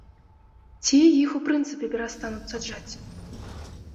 Ці іх у прынцыпе перастануць саджаць?